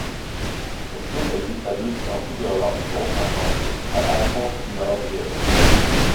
Cette source a été traduite en plusieurs langues, dont en français, par Alphonse Huillard-Bréholles.